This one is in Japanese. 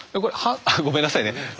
ごめんなさいね。